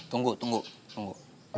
tunggu tunggu tunggu